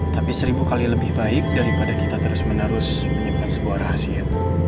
tapi seribu kali lebih baik daripada kita terus menerus menyiapkan sebuah rahasia